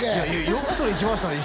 よくそれ行きましたね